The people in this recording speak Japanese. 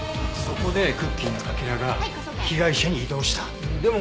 そこでクッキーのかけらが被害者に移動した。